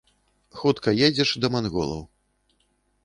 Хутка едзеш да манголаў.